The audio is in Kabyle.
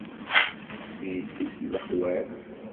D yessi-s n lexwal.